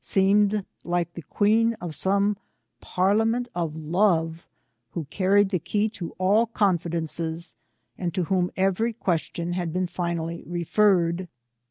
285 seemed like the queen of some parliament of love, who carried the key to all confidences, and to whom every question had been finally referred.